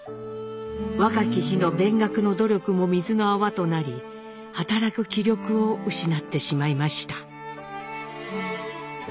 若き日の勉学の努力も水の泡となり働く気力を失ってしまいました。